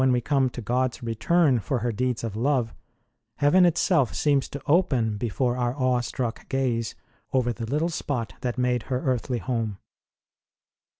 ROSE OF LIMA we come to God s return for her deeds of love, heaven itself seems to open before our awe struck gaze over the little spot that made her earthly home.